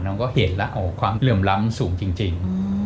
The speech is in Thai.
มันก็เห็นละความเรื่องล้ำสูงจริง